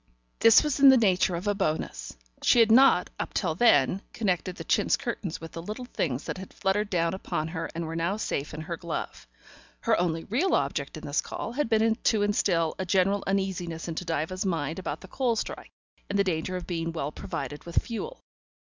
This was in the nature of a bonus: she had not up till then connected the chintz curtains with the little things that had fluttered down upon her and were now safe in her glove; her only real object in this call had been to instill a general uneasiness into Diva's mind about the coal strike and the danger of being well provided with fuel.